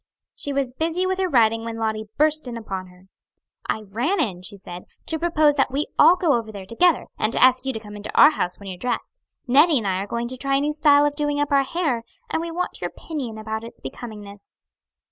She was busy with her writing when Lottie burst in upon her. "I ran in," she said, "to propose that we all go over there together, and to ask you to come into our house when you're dressed. Nettie and I are going to try a new style of doing up our hair, and we want your opinion about its becomingness."